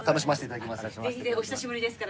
お久しぶりですから。